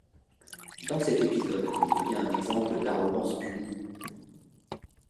Dans cet épisode, il devient un exemple d'arrogance punie.